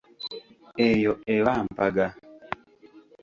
Eyo eba mpaga.